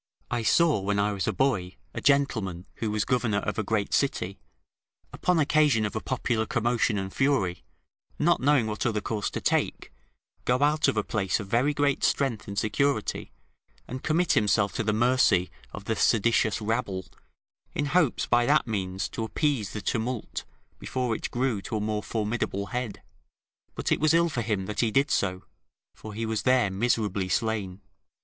I saw, when I was a boy, a gentleman, who was governor of a great city, upon occasion of a popular commotion and fury, not knowing what other course to take, go out of a place of very great strength and security, and commit himself to the mercy of the seditious rabble, in hopes by that means to appease the tumult before it grew to a more formidable head; but it was ill for him that he did so, for he was there miserably slain.